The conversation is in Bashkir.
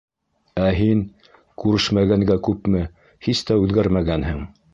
Ә һин, күрешмәгәнгә күпме, һис тә үҙгәрмәгәнһең...